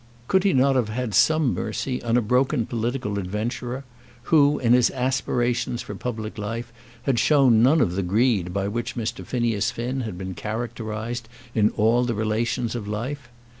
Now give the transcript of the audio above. Could he not have had some mercy on a broken political adventurer who, in his aspirations for public life, had shown none of that greed by which Mr. Phineas Finn had been characterised in all the relations of life?